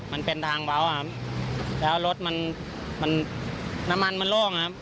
มันเป็นทางเบาอ่ะครับแล้วรถมันมันน้ำมันมันโล่งครับ